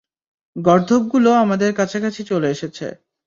গর্দভগুলো আমাদের কাছাকাছি চলে এসেছে।